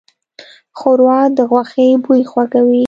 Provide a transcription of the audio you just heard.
ښوروا د غوښې بوی خوږوي.